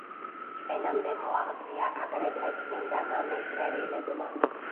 ჩვენამდე მოაღწია აგრეთვე წმინდა მამის წერილებმა.